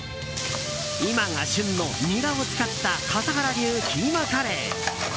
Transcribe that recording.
今が旬のニラを使った笠原流キーマカレー。